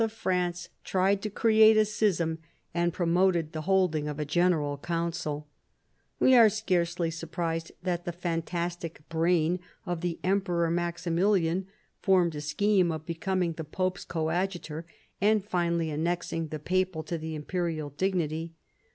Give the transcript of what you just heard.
of France tried to create a schism, and promoted the holding of a general council We are scarcely surprised that the fantastic brain of the Emperor Maximilian formed a scheme of becoming the Pope's coadjutor, and finally annexing the papal to the imperial dignity.